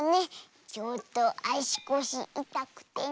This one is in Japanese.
ちょっとあしこしいたくてねえ。